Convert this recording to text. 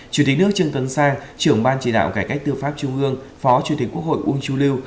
chủ tịch nước trương tấn sang trưởng ban chỉ đạo cải cách tư pháp trung ương phó chủ tịch quốc hội uông chu lưu